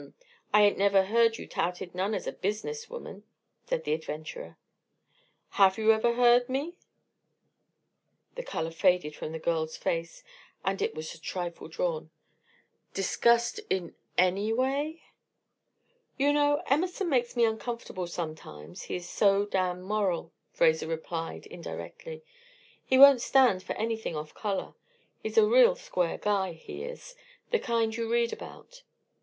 I ain't never heard you touted none as a business woman," said the adventurer. "Have you ever heard me" the color faded from the girl's face, and it was a trifle drawn "discussed in any way?" "You know, Emerson makes me uncomfortable sometimes, he is so damn moral," Fraser replied, indirectly. "He won't stand for anything off color. He's a real square guy, he is, the kind you read about."